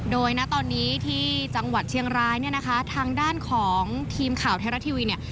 โดยตอนนี้ที่จังหวัดเชียงรายทางด้านของทีมข่าวเทราทีวี